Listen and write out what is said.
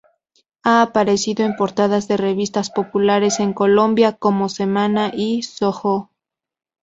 Ha aparecido en portadas de revistas populares en Colombia como Semana y SoHo.